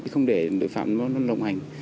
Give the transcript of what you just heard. không để đội phạm nó lộng hành